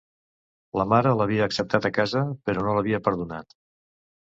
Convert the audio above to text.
La mare l'havia acceptat a casa, però no l'havia perdonat.